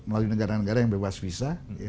melalui negara negara yang bebas visa